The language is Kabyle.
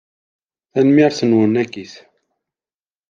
Tanemmirt-nwen akkit.